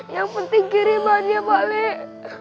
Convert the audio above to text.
yang penting kirimannya pak lek